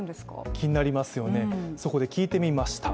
気になりますよね、そこで聞いてみました。